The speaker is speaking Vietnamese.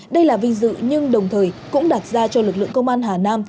đây là vinh dự nhưng đồng thời cũng đặt ra cho lực lượng công an hà nam